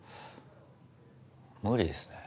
無理ですね。